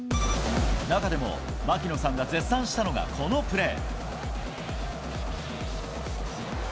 中でも槙野さんが絶賛したのがこのプレー。